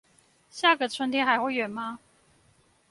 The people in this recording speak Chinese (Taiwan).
下個春天還會遠嗎